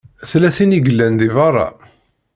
Tella tin i yellan di beṛṛa.